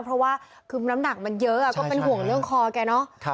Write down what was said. เพราะว่าคือน้ำหนักมันเยอะก็เป็นห่วงเรื่องคอแกเนอะ